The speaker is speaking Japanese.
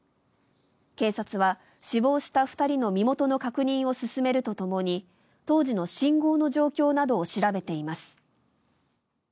警察は死亡した２人の身元の確認を進めるとともに当時の信号の状況などを調べています。